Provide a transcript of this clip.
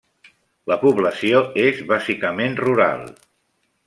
La població és bàsicament rural.